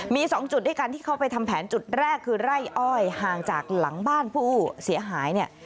มี๒จุดด้วยกันที่เขาไปทำแผนจุดแรกคือไร่อ้อยห่างจากหลังบ้านผู้เสียหายเนี่ย